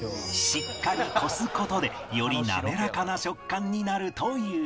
しっかりこす事でより滑らかな食感になるという